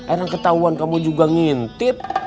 erang ketauan kamu juga ngintip